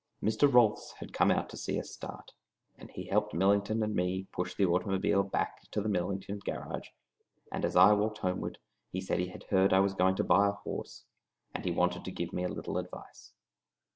Mr. Rolfs had come out to see us start, and he helped Millington and me push the automobile back to the Millington garage; and as I walked homeward he said he had heard I was going to buy a horse, and he wanted to give me a little advice.